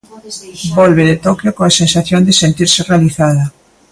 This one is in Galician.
Volve de Toquio coa sensación de sentirse realizada.